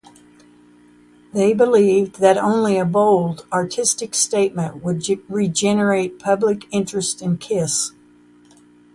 They believed that only a bold, artistic statement would regenerate public interest in Kiss.